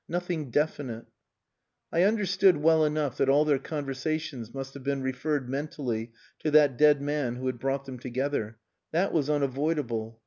"Nothing definite." I understood well enough that all their conversations must have been referred mentally to that dead man who had brought them together. That was unavoidable.